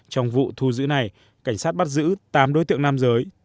trong vụ thu giữ này cảnh sát bắt giữ tám đối tượng nam giới